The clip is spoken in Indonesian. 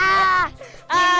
pintar juga lo